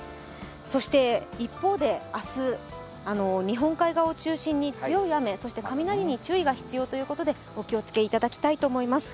そして一方で明日、日本海側を中心に強い雨、そして雷に注意が必要ということでお気を付けいただきたいと思います。